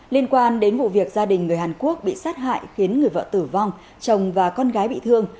liên quan đến vụ việc gia đình người hàn quốc bị sát hại khiến người vợ tử vong chồng và con gái bị thương